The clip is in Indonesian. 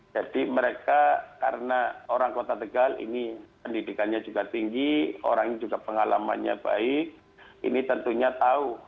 jadi mereka karena orang kota tegal ini pendidikannya juga tinggi orang ini juga pengalamannya baik ini tentunya tahu